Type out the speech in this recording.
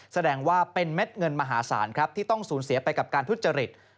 แสดงว่าเป็นเม็ดเงินมหาศาลครับที่ต้องสูญเสียไปกับการทุจริต